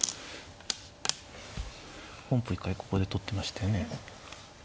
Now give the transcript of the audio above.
本譜一回ここで取ってましたよね。